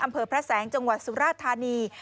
อำเภอพระแสงจังหวัดสุราธานี